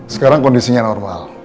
sekarang kondisinya normal